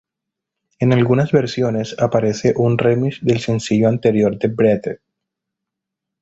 En algunas versiones, aparece un remix del sencillo anterior Breathe.